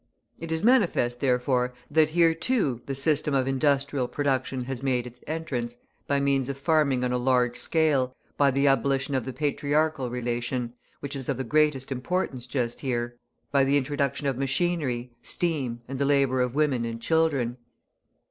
It is manifest, therefore, that here, too, the system of industrial production has made its entrance, by means of farming on a large scale, by the abolition of the patriarchal relation, which is of the greatest importance just here, by the introduction of machinery, steam, and the labour of women and children.